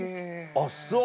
あっそう。